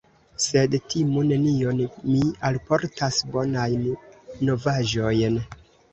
Sed timu nenion, mi alportas bonajn novaĵojn.